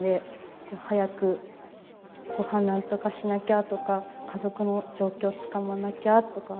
早くご飯なんとかしなきゃとか家族の状況をつかまなきゃとか。